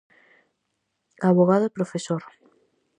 Avogado e profesor.